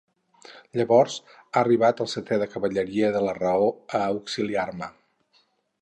Llavors ha arribat el setè de cavalleria de la raó a auxiliar-me.